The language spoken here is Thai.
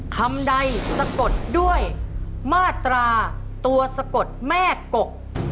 คำใดสะกดด้วยมาตราตัวสะกดแม่กก